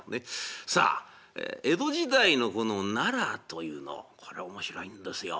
さあ江戸時代のこの奈良というのこれ面白いんですよ。